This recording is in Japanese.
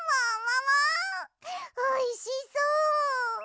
おいしそう！